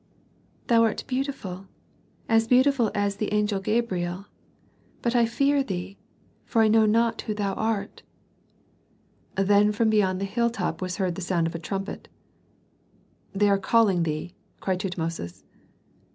"Thou art beautiful, as beautiful as the angel Gabriel; but I fear thee, for I know not who thou art." Then from beyond the hilltop was heard the sound of a trumpet. "They are calling thee!" cried Tutmosis.